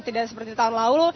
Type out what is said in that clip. tidak seperti tahun lalu